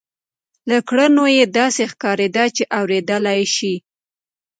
له کړنو یې داسې ښکارېده چې اورېدلای شي